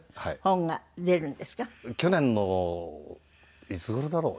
去年のいつ頃だろう？